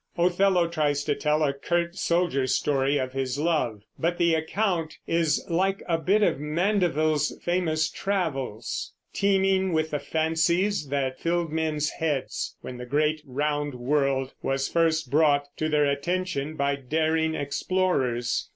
Othello tries to tell a curt soldier's story of his love; but the account is like a bit of Mandeville's famous travels, teeming with the fancies that filled men's heads when the great round world was first brought to their attention by daring explorers.